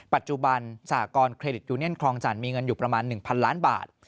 ปัจจุบันสหกรณ์เครดิตยูเนียนคลองจันทร์มีเงินอยู่ประมาณ๑๐๐ล้านบาท